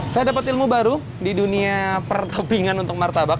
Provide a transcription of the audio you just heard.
saya dapat ilmu baru di dunia perkepingan untuk martabak